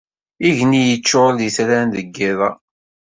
Igenni yeččuṛ d itran deg yiḍ-a.